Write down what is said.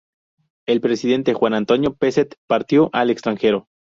El presidente Juan Antonio Pezet partió al extranjero.